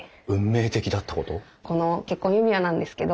この結婚指輪なんですけど。